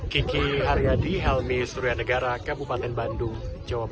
kiki haryadi helmi surianegara kabupaten bandung jawa barat